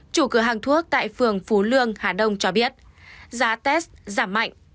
chủ cửa hàng thuốc tại phường phú lương hà đông cho biết giá test giảm mạnh